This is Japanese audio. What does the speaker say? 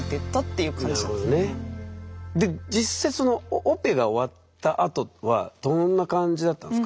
で実際そのオペが終わったあとはどんな感じだったんすか？